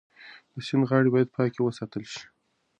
د سیند غاړې باید پاکې وساتل شي.